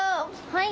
はい。